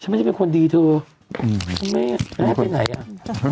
ฉันไม่ได้เป็นคนดีเถอะแม่ให้ไปไหนอ่ะ